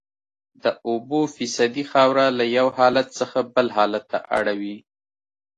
د اوبو فیصدي خاوره له یو حالت څخه بل حالت ته اړوي